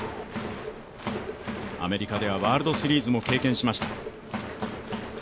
アメリカではワールドシリーズも経験しました。